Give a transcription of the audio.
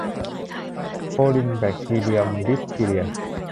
โครินแบคทีเรียมดิฟทีเรีย